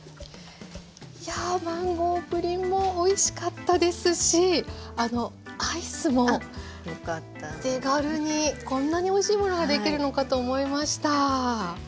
いやマンゴープリンもおいしかったですしアイスも手軽にこんなにおいしいものができるのかと思いました。